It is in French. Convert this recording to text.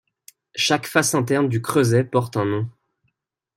Chaque face interne du creuset porte un nom.